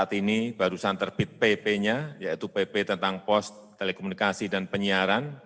saat ini barusan terbit pp nya yaitu pp tentang pos telekomunikasi dan penyiaran